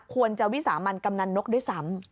วิสามันกำนันนกด้วยซ้ำ